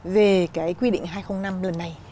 về cái quy định hai nghìn năm lần này